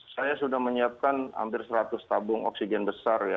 saya sudah menyiapkan hampir seratus tabung oksigen besar ya